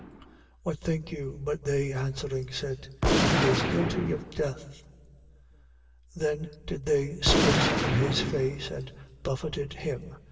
26:66. What think you? But they answering, said: He is guilty of death. 26:67. Then did they spit in his face and buffeted him.